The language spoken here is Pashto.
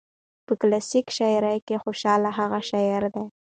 په کلاسيکه شاعرۍ کې خوشال هغه شاعر دى